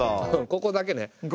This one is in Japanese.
ここだけ。